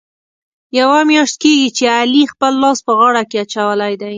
یوه میاشت کېږي، چې علي خپل لاس په غاړه کې اچولی دی.